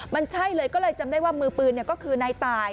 มันใช่เลยก็เลยจำได้ว่ามือปืนก็คือนายตาย